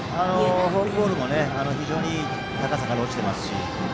フォークボールも非常にいい高さから落ちてますし。